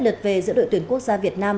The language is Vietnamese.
liệt về giữa đội tuyển quốc gia việt nam